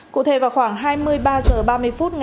cụ thể vào khoảng hai mươi ba h ba mươi phút ngày